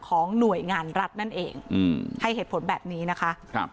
ของหน่วยงานรัฐนั่นเองอืมให้เหตุผลแบบนี้นะคะครับ